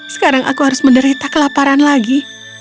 sekarang aku harus menderita kelaparan lagi